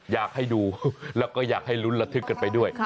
อยากให้ดูแล้วก็อยากให้ลุ้นระทึกกันไปด้วย